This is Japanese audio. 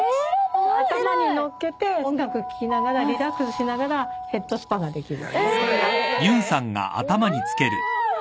頭に載っけて音楽聴きながらリラックスしながらヘッドスパができる。